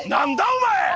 お前！